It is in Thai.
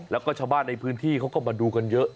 แล้วก็ชาวบ้านในพื้นที่เขาก็มาดูกันเยอะ